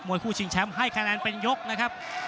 วยคู่ชิงแชมป์ให้คะแนนเป็นยกนะครับ